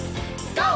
ＧＯ！